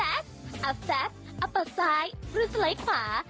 อัฟแซ็บอัฟแซ็บอัปเปอร์ซ้ายรูสไลก์ขวา